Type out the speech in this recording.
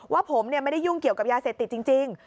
ว่าผมไม่ได้ยุ่งเกี่ยวกับยาเสพติดจริง